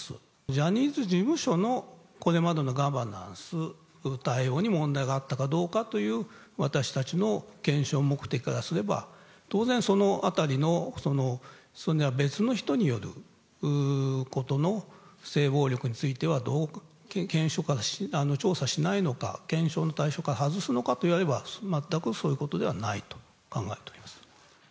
ジャニーズ事務所のこれまでのガバナンス、対応に問題があったかどうかという私たちの検証目的からすれば、当然そのあたりの別の人によることの性暴力についてはどう、調査しないのか、検証の対象から外すのかと言われれば、全くそういうことではないと考えております。